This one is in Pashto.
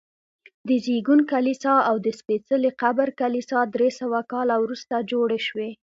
د زېږون کلیسا او د سپېڅلي قبر کلیسا درې سوه کاله وروسته جوړې شوي.